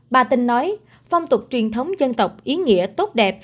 bà tình nói phong tục truyền thống dân tộc ý nghĩa tốt đẹp